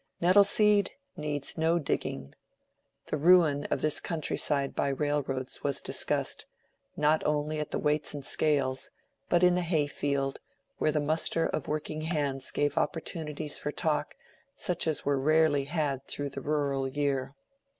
Nettle seed needs no digging. The ruin of this countryside by railroads was discussed, not only at the "Weights and Scales," but in the hay field, where the muster of working hands gave opportunities for talk such as were rarely had through the rural year.